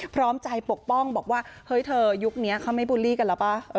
พร้อมใจปกป้องบอกว่าเฮ้ยเธอยุคนี้เขาไม่บูลลี่กันแล้วป่ะ